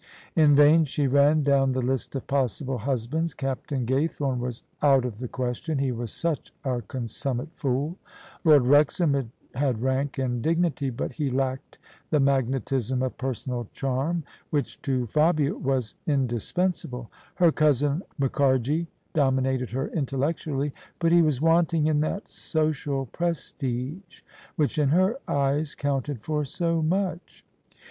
In vain she ran down the list of possible husbands. Cap tain Gaythome was out of the question, he was such a con summate fool. Lord Wrexham had rank and dignity, but he lacked the magnetism of personal charm, which to Fabia was indispensable. Her cousin, Mukharji, dominated her intellectually : but he was wanting in that social prestige, which in her eyes counted for so much.